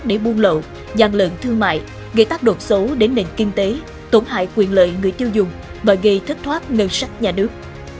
để buôn lậu gian lận thương mại gây tác đột xấu đến nền kinh tế tổn hại quyền lợi người tiêu dùng và gây thất thoát ngân sách nhà nước